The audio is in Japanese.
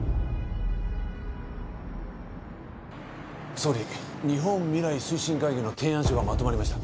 総理日本未来推進会議の提案書がまとまりました